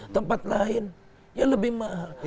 tempat lain ya lebih mahal